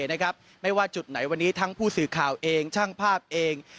ทุ่มเทนะครับไม่ว่าจุดไหนวันนี้ทั้งผู้สื่อข่าวเองทั้งภาพเอง